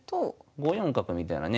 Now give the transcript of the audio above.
５四角みたいなね